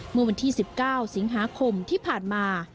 เมื่อวันที่๑๙สิงหาคมที่ผ่านมา